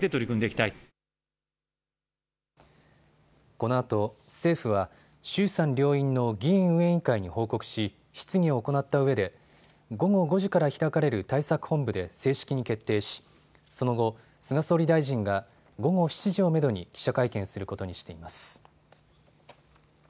このあと政府は衆参両院の議院運営委員会に報告し質疑を行ったうえで午後５時から開かれる対策本部で正式に決定し、その後、菅総理大臣が午後７時をめどに記者会見することにしています。